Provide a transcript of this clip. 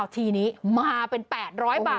ทีนี้มาเป็น๘๐๐บาท